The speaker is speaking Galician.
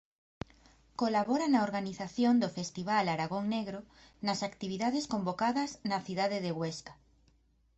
Colabora na organización do Festival Aragón Negro nas actividades convocadas na cidade de Huesca.